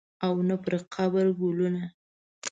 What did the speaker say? او نه پرقبر ګلونه